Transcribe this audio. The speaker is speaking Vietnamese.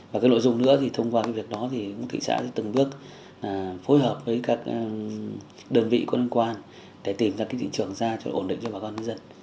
và nội dung nữa thì thông qua việc đó thì thị xã từng bước phối hợp với các đơn vị cơ quan để tìm ra thị trường ra cho ổn định cho bà con dân